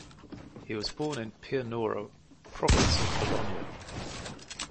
He was born in Pianoro, Province of Bologna.